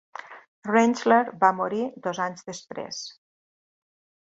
Rentschler va morir dos anys després.